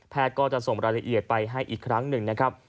ก็จะส่งรายละเอียดไปให้อีกครั้งหนึ่งนะครับ